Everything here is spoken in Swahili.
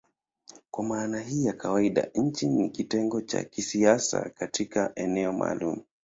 Kwa maana hii ya kawaida nchi ni kitengo cha kisiasa katika eneo maalumu.